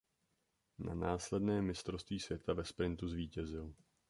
Na následném Mistrovství světa ve sprintu zvítězil.